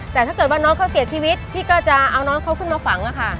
แต่ถ้าเกิดว่าน้องเขาเสียชีวิตพี่ก็จะเอาน้องเขาขึ้นมาฝังอะค่ะ